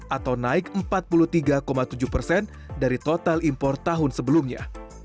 atau naik empat puluh tiga tujuh persen dari total impor tahun sebelumnya